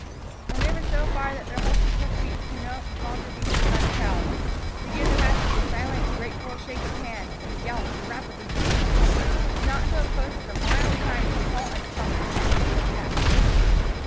When they were so far that their horses' hoof beats could not be heard by the crowd, they gave the half breed a silent, grateful shake of the hand and galloped rapidly toward home. Not until the post was a mile behind did they halt at the top of a ridge to look back.